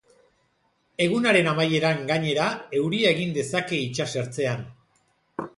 Egunaren amaieran, gainera, euria egin dezake itsasertzean.